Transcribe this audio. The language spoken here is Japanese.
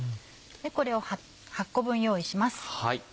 これを８個分用意します。